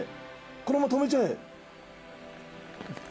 このまま止めちゃえ。